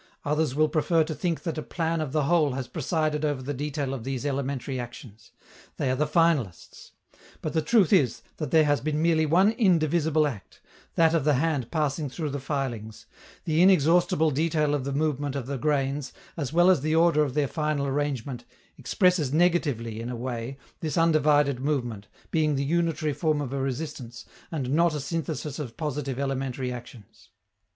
Others will prefer to think that a plan of the whole has presided over the detail of these elementary actions: they are the finalists. But the truth is that there has been merely one indivisible act, that of the hand passing through the filings: the inexhaustible detail of the movement of the grains, as well as the order of their final arrangement, expresses negatively, in a way, this undivided movement, being the unitary form of a resistance, and not a synthesis of positive elementary actions.